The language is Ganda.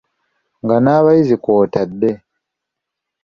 Nga n’abayizi kw’otadde.